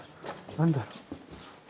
何だろう？